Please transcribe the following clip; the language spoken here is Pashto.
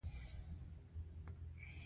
نن مې د کور د لرګي تختې پاکې کړې.